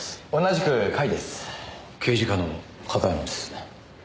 刑事課の片山です。